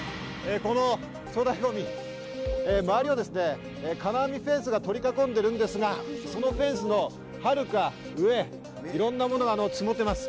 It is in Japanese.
この粗大ごみ、周りを金網フェンスが取り囲んでるんですが、そのフェンスのはるか上、いろんなもの積もってます。